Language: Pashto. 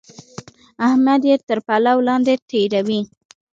احمد يې تر پلو لاندې تېروي.